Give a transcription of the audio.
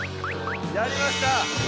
やりました！